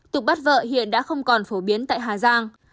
tục bắt vợ hiện đã không còn phổ biến tại hà giang